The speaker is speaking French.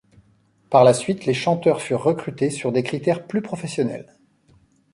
Par la suite, les chanteurs furent recrutés sur des critères plus professionnels.